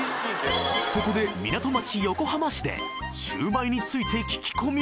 そこで港町横浜市でシュウマイについて聞き込み！